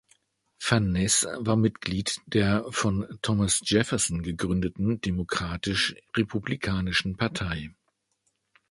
Van Ness war Mitglied der von Thomas Jefferson gegründeten Demokratisch-Republikanischen Partei.